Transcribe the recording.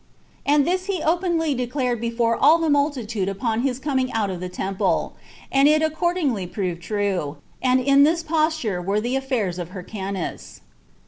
And this he openly declared before all the multitude upon his coming out of the temple; and it accordingly proved true; and in this posture were the affairs of Hyrcanus.